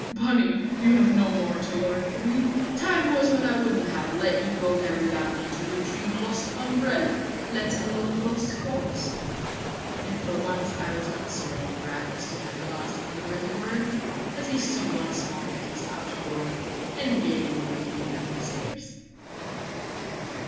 Bunny, you have no more to learn from me. Time was when I wouldn't have let you go there without me to retrieve a lost umbrella let alone a lost cause!" And for once I was not sorry for Raffles to have the last unworthy word, as he stood once more at his outer door and gayly waved me down the stairs.